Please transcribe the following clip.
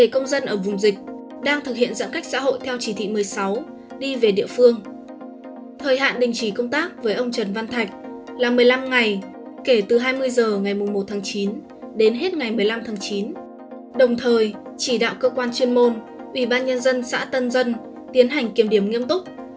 quan chuyên môn ủy ban nhân dân xã tân dân tiến hành kiểm điểm nghiêm túc